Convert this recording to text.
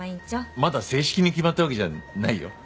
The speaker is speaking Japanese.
まだ正式に決まったわけじゃないよ。